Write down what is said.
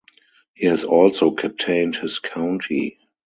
He has also captained his county.